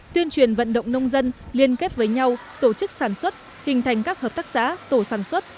tuyên truyền vận động nông dân liên kết với nhau tổ chức sản xuất hình thành các hợp tác xã tổ sản xuất